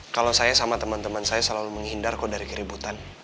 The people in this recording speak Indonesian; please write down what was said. kalau saya sama teman teman saya selalu menghindar kok dari keributan